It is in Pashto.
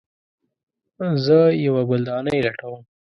زه یوه ګلدانۍ لټوم